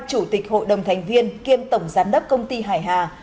chủ tịch hội đồng thành viên kiêm tổng giám đốc công ty hải hà